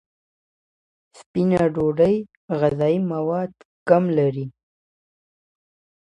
سپینه ډوډۍ غذایي مواد کم لري.